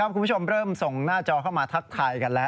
คุณผู้ชมเริ่มส่งหน้าจอเข้ามาทักทายกันแล้ว